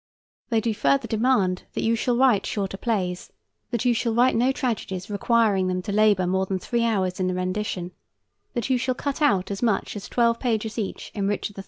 They do further demand that you shall write shorter plays; that you shall write no tragedies requiring them to labor more than three hours in the rendition; that you shall cut out as much as twelve pages each in "Richard III."